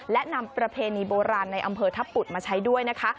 และนำประเพณีโบราณในอำเภอทัพปุดมาใช้ด้วยนะคะ